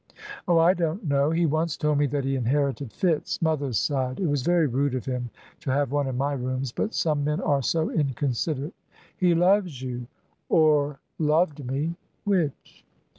"Oh, I don't know. He once told me that he inherited fits mother's side. It was very rude of him to have one in my rooms, but some men are so inconsiderate." "He loves you." "Or loved me which?"